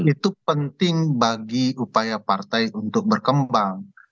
itu penting bagi upaya partai untuk berkembang